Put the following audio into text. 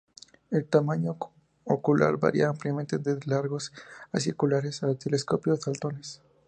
El tamaño ocular varía ampliamente, desde largos y circulares a telescópicos y saltones.